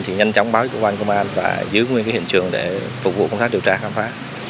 thì nhanh chóng báo cho quan công an và giữ nguyên cái hiện trường để phục vụ công tác điều tra khám phá